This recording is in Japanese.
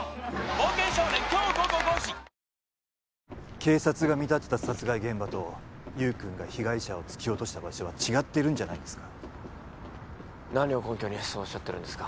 警察が見立てた殺害現場と優君が被害者を突き落とした場所は違ってるんじゃないですか何を根拠にそうおっしゃってるんですか